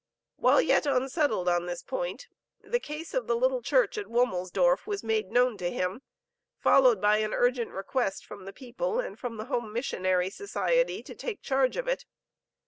While yet unsettled on this point, the case of the little church at Womelsdorf was made known to him, followed by an urgent request from the people and from the Home Missionary Society to take charge of it.